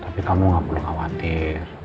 tapi kamu nggak perlu khawatir